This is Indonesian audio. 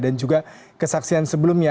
dan juga kesaksian sebelumnya